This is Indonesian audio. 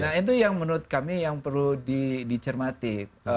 nah itu yang menurut kami yang perlu dicermati